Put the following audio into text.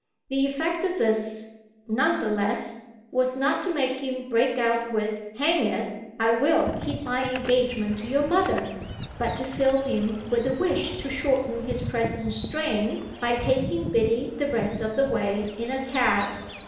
The effect of this, none the less, was not to make him break out with "Hang it, I will keep my engagement to your mother!" but to fill him with the wish to shorten his present strain by taking Biddy the rest of the way in a cab.